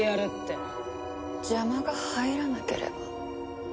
邪魔が入らなければ。